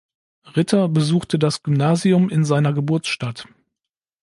Ritter besuchte das Gymnasium in seiner Geburtsstadt.